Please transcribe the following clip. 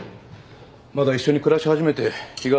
まだ一緒に暮らし始めて日が浅いんだから。